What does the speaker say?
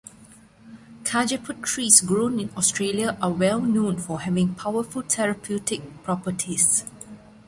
Cajeput trees grown in Australia are well known for having powerful therapeutic properties.